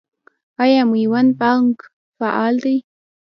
آیا میوند بانک فعال دی؟